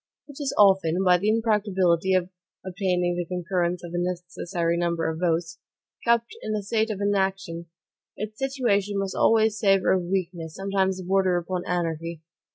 It is often, by the impracticability of obtaining the concurrence of the necessary number of votes, kept in a state of inaction. Its situation must always savor of weakness, sometimes border upon anarchy.